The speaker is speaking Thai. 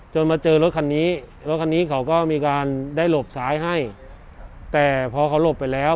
มาเจอรถคันนี้รถคันนี้เขาก็มีการได้หลบซ้ายให้แต่พอเขาหลบไปแล้ว